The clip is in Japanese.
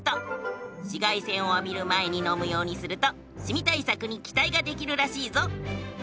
紫外線を浴びる前に飲むようにするとシミ対策に期待ができるらしいぞ。